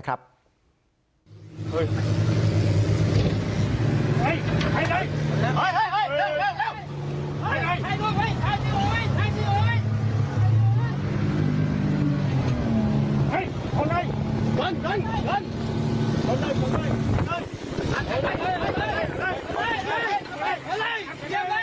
อัจฉันชั่วโรงพยาบาลเข้ามาขึ้นเข้ามาขึ้น